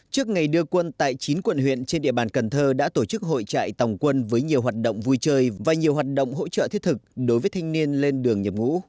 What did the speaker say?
trước ngày đưa quân tại chín quận huyện trên địa bàn cần thơ đã tổ chức hội trại tòng quân với nhiều hoạt động vui chơi và nhiều hoạt động hỗ trợ thiết thực đối với thanh niên lên đường nhập ngũ